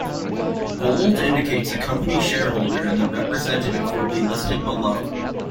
Bold indicates a company shareholder and the representative will be listed below.